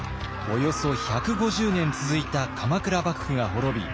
およそ１５０年続いた鎌倉幕府が滅び